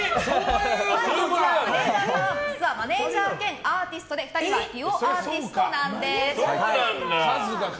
マネジャーさん実はマネジャー兼アーティストで２人はデュオアーティストなんです。